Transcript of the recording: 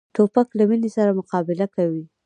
توپک له مینې سره مقابله کوي.